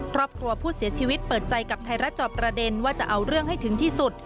ครอบครัวผู้เสียชีวิตเปิดใจกับไทยรัฐจอบประเด็นว่าจะเอาเรื่องให้ถึงที่สุด